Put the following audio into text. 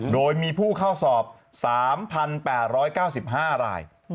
โดยมีผู้เข้าสอบ๓๘๙๕ราย